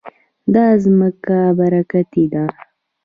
دا ځمکه برکتي ده.